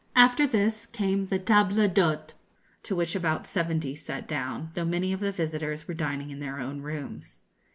After this came the table d'hôte, to which about seventy sat down, though many of the visitors were dining in their own rooms.